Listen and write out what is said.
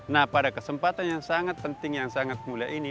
nah pada kesempatan yang sangat penting yang sangat mulia ini